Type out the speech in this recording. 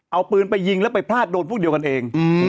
เอาปืนไปยิงแล้วไปพลาดโดนพวกเดียวกันเอง